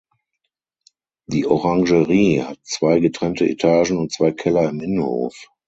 Die Orangerie hat zwei getrennte Etagen und zwei Keller im Innenhof.